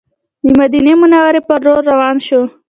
د مدینې منورې پر لور روان شوو.